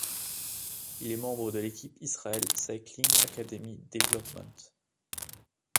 Il est membre de l'équipe Israel Cycling Academy Development.